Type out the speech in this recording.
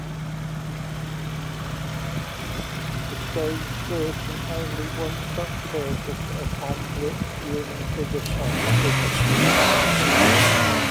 The stones contain only one cut surface, upon which human figures are chiseled.